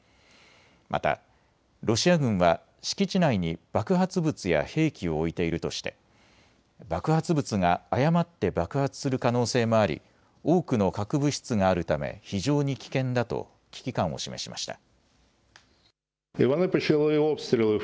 またロシア軍は敷地内に爆発物や兵器を置いているとして爆発物が誤って爆発する可能性もあり多くの核物質があるため非常に危険だと危機感を示しました。